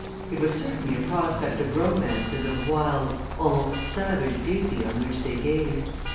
It was certainly a prospect of romance and of wild, almost savage beauty on which they gazed.